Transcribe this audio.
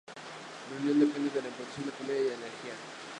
La Reunión depende de la importación de comida y de energía.